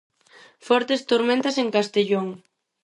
Fortes tormentas en Castellón.